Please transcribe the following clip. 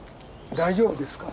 大丈夫ですか？